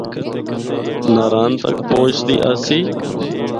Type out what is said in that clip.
ناران تک پہنچدی آسی۔